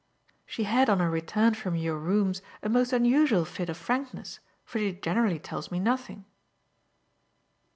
"She had on her return from your rooms a most unusual fit of frankness, for she generally tells me nothing."